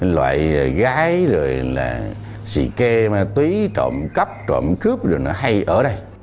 loại gái xì kê túy trộm cắp trộm cướp rồi nó hay ở đây